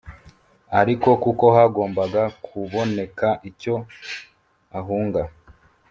ariko kuko hagombaga kuboneka icyo ahunga